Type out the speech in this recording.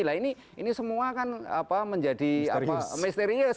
nah ini semua kan menjadi misterius